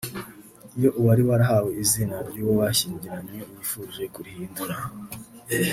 Iyo uwari warahawe izina ry’uwo bashyingiranywe yifuje kurihindura